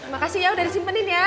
makasih ya udah disimpanin ya